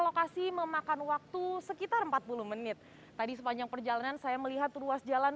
lokasi memakan waktu sekitar empat puluh menit tadi sepanjang perjalanan saya melihat ruas jalan